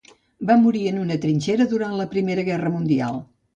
Va morir en una trinxera durant la Primera Guerra Mundial.